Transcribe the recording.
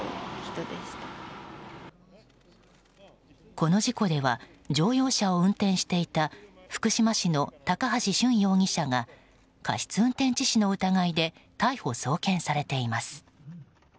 この事故では乗用車を運転していた福島市の高橋俊容疑者が過失運転致死の疑いで逮捕・送検されています。